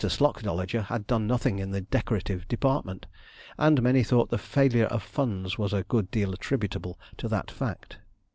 Slocdolager had done nothing in the decorative department, and many thought the failure of funds was a good deal attributable to that fact.